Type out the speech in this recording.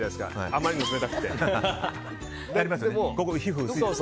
あまりにも冷たくて。